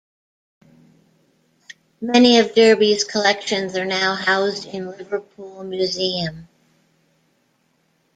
Many of Derby's collections are now housed in Liverpool museum.